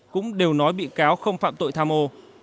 cũng đều nói bị cáo không phạm tội tham ô